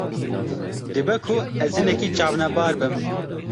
Dibe ku ez hinekî çavnebar bim.